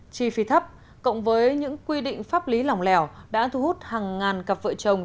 chi phí thấp cộng với những quy định pháp lý lòng lẻo đã thu hút hàng ngàn cặp vợ chồng